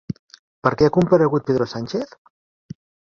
Per què ha comparegut Pedro Sánchez?